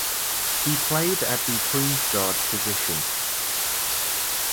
He played at the point guard position.